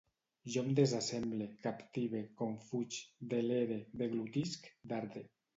Jo em desassemble, captive, confuig, delere, deglutisc, darde